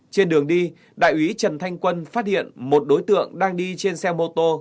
trên đường đi đại úy trần thanh quân phát hiện một đối tượng đang đi trên xe mô tô